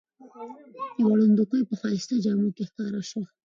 یوه ړندوکۍ په ښایسته جامو کې ښکاره شوه.